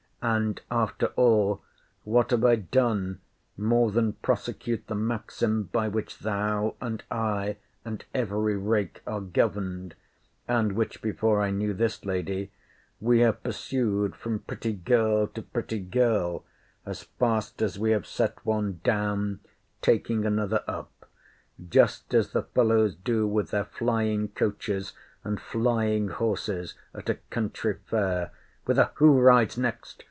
And, after all, what have I done more than prosecute the maxim, by which thou and I and every rake are governed, and which, before I knew this lady, we have pursued from pretty girl to pretty girl, as fast as we have set one down, taking another up;—just as the fellows do with their flying coaches and flying horses at a country fair——with a Who rides next!